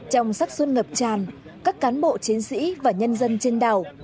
trong sắc xuân ngập tràn các cán bộ chiến sĩ và nhân dân trên đảo